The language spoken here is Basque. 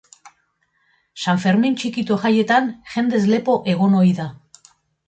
San Fermin Txikito jaietan jendez lepo egon ohi da.